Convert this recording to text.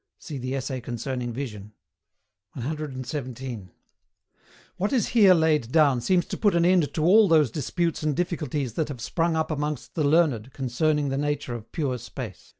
See the Essay concerning Vision. 117. What is here laid down seems to put an end to all those disputes and difficulties that have sprung up amongst the learned concerning the nature of pure Space.